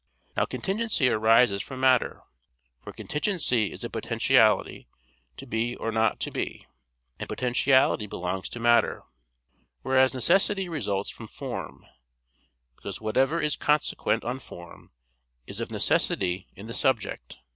Now contingency arises from matter, for contingency is a potentiality to be or not to be, and potentiality belongs to matter; whereas necessity results from form, because whatever is consequent on form is of necessity in the subject.